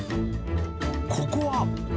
ここは。